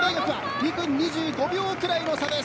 ２分２５秒遅れぐらいの差です。